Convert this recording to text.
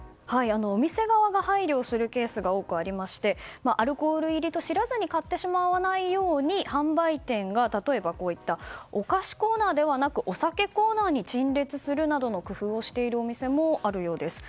お店側が配慮するケースが多くありましてアルコール入りと知らずに買ってしまわないように販売店が例えば、お菓子コーナーではなくお酒コーナーに陳列するなどの工夫をしているお店もあるようです。